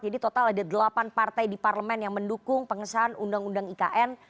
jadi total ada delapan partai di parlemen yang mendukung pengesahan undang undang ikn